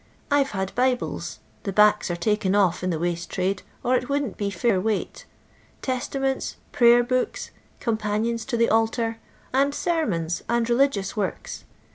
I 'vc had Bibles — the backs are taken off in the waste trade, or it wouldn't be fair weight — Testaments, Pmyer bookB, Companions to the Altar, and Sermons and religious works.